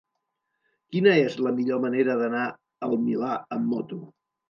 Quina és la millor manera d'anar al Milà amb moto?